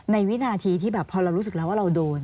วินาทีที่แบบพอเรารู้สึกแล้วว่าเราโดน